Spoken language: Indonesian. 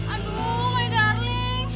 aduh my darling